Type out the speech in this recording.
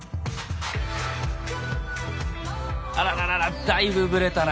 あららららだいぶぶれたな。